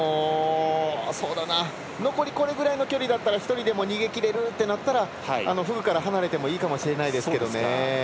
残りこれくらいの距離だったら１人でも逃げきれるとなったらフグから離れてもいいかもしれないですけどね。